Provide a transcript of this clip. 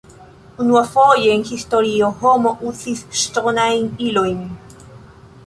Unuafoje en historio homo uzis ŝtonajn ilojn.